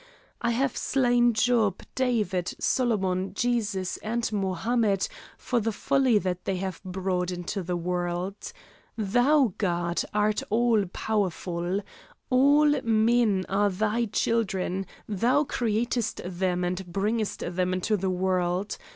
I have slain Job, David, Solomon, Jesus, and Mohammed for the folly that they have brought into the world. Thou, God, art all powerful. All men are thy children, thou createst them and bringest them into the world.